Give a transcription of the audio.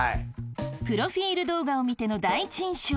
プロフィール動画を見ての第一印象。